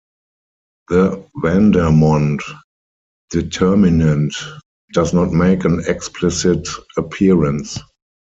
The Vandermonde determinant does not make an explicit appearance.